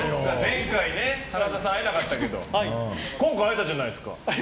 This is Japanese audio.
前回、花澤さん会えなかったけど今回会えたじゃないですか。